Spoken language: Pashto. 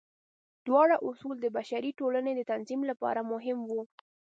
دواړه اصول د بشري ټولنې د تنظیم لپاره مهم وو.